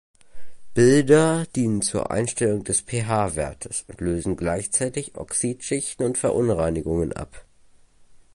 Builder dienen zur Einstellung des pH-Wertes und lösen gleichzeitig Oxidschichten und Verunreinigungen ab.